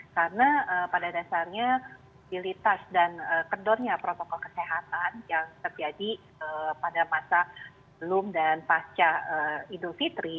karena pada dasarnya mobilitas dan kedornya protokol kesehatan yang terjadi pada masa belum dan pasca idul fitri